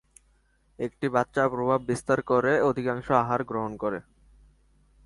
একটি বাচ্চা প্রভাব বিস্তার করে অধিকাংশ আহার গ্রহণ করে।